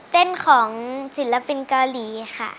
ของศิลปินเกาหลีค่ะ